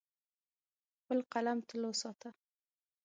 خپل قلم تل وساته.